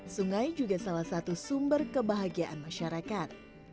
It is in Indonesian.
sungai juga salah satu sumber kebahagiaan masyarakat